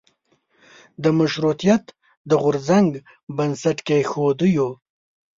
د مشروطیت د غورځنګ بنسټ کېښودیو.